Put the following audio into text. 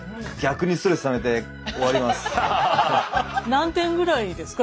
何点ぐらいですか？